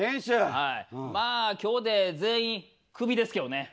まあ今日で全員クビですけどね。